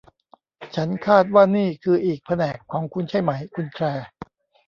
ฉันคาดว่านี่คืออีกแผนกของคุณใช่ไหมคุณแคลร์